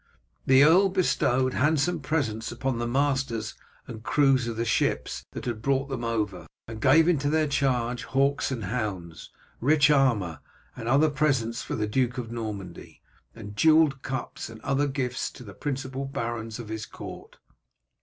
Then the earl bestowed handsome presents upon the masters and crews of the ships that had brought them over, and gave into their charge hawks and hounds, rich armour, and other presents for the Duke of Normandy, and jewelled cups and other gifts to the principal barons of his court.